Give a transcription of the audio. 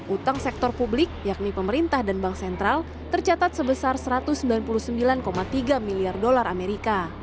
utang sektor publik yakni pemerintah dan bank sentral tercatat sebesar satu ratus sembilan puluh sembilan tiga miliar dolar amerika